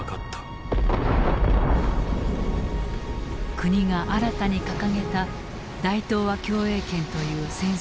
国が新たに掲げた大東亜共栄圏という戦争目的。